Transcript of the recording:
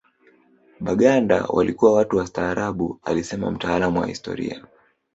Baganda walikuwa watu wastaarabu alisema mtaalamu wa historia